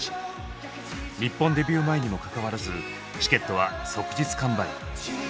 日本デビュー前にもかかわらずチケットは即日完売。